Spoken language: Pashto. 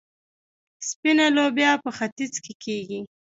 سپینه لوبیا په ختیځ کې کیږي.